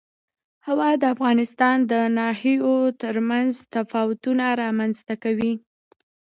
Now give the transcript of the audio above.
هوا د افغانستان د ناحیو ترمنځ تفاوتونه رامنځ ته کوي.